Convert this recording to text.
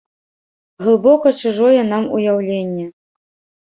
Глыбока чужое нам уяўленне.